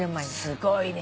すごいね。